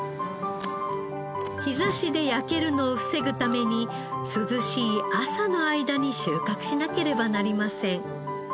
日差しで焼けるのを防ぐために涼しい朝の間に収穫しなければなりません。